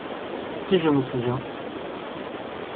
Si je me souviens !…